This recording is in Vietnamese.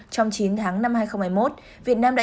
trong chín tháng năm hai nghìn hai mươi một việt nam đã